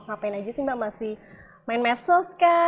ngapain aja sih mbak masih main medsos kah